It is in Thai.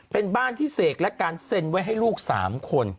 เป็นบ้านที่เสกและการเซ็นไว้ให้ลูก๓คน